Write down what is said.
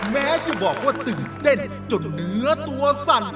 แม้จะบอกว่าตื่นเต้นจนเนื้อตัวสั่น